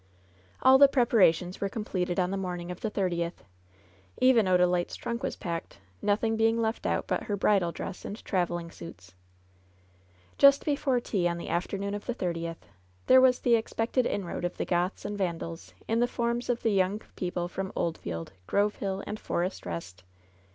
All the preparations were completed on the morning of the thirtieth. Even Odalite^s trunk was packed, noth ing being left out but her bridal dress and traveling suits. Just before tea on the afternoon of the thirtieth, there LOVE'S BITTEREST CUP 73 was the expected inroad of the Goths and Vandals, in the forms of the young people from Oldfield, Grove Hill and Forest Rest.